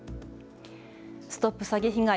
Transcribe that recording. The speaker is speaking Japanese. ＳＴＯＰ詐欺被害！